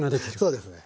そうですね。